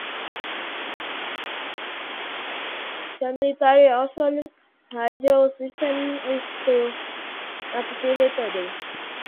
The Military Auxiliary Radio System is still active today.